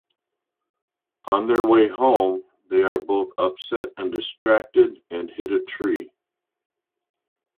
On their way home, they are both upset and distracted and hit a tree.